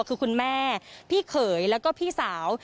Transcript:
คือคุณแม่พี่เขยแล้วก็พี่สาว